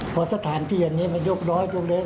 ควรสถานที่ตอนนี้มันโลกร้อยโลกเล็ก